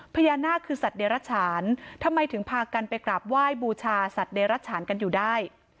พญานาคคือสัตว์เดรัชฉานทำไมถึงพากันไปกราบไหว้บูชาสัตว์เดรัชฉานกันอยู่ได้